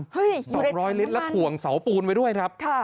ดอกรอยลิตรละถวงเสาปูนไว้ด้วยครับ